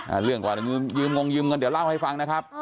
อ่าเรื่องกว่ายืมเดี๋ยวเล่าให้ฟังนะครับ